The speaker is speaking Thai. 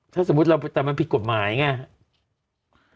ถ้าสมมุติแต่มันผิดกฎหมายอย่างนี้